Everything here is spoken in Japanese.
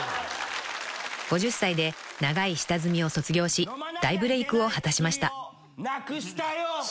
［５０歳で長い下積みを卒業し大ブレイクを果たしました］